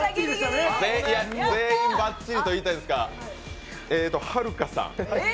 全員ばっちりと言いたいですがはるかさん